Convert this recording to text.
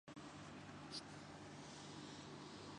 صبح صادق سے فائرنگ کی